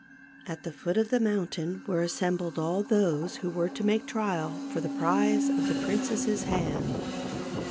At the foot of the mountain were assembled all those who were to make trial for the prize of the princess's hand.